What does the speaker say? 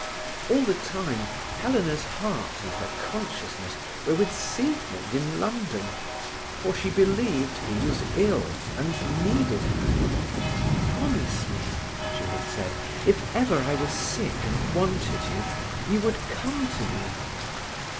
All the time Helena's heart and her consciousness were with Siegmund in London, for she believed he was ill and needed her. "Promise me," she had said, "if ever I were sick and wanted you, you would come to me."